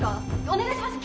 お願いします。